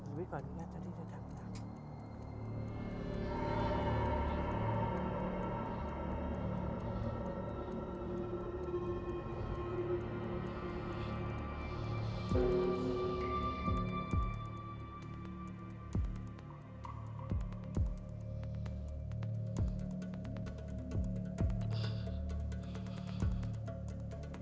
โปรดติดตามตอนต่อไป